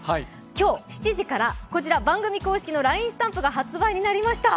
今日、７時から番組公式のＬＩＮＥスタンプが発売になりました。